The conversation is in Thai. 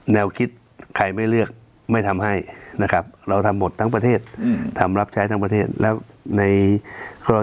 แนวคิดใครไม่เลือกไม่สำนักแทดของทั้งประเทศท้ายทั้งประเทศแล้วในร้าน